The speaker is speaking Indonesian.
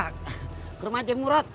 ke rumah aja murad